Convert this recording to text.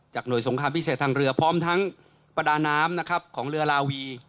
หน่วยสงครามพิเศษทางเรือพร้อมทั้งประดาน้ำนะครับของเรือลาวี